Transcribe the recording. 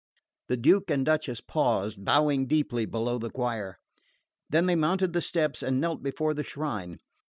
The Duke and Duchess paused, bowing deeply, below the choir. Then they mounted the steps and knelt before the shrine.